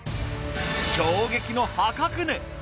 衝撃の破格値。